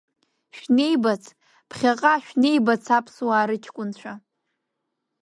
Шәнеибац, ԥхьаҟа шәнеибац аԥсуаа рыҷкәынцәа!